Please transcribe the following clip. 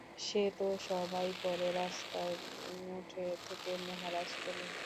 সে তো সবাই করে, রাস্তায় মুটে থেকে মহারাজ পর্যন্ত।